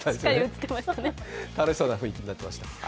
楽しそうな雰囲気になってました。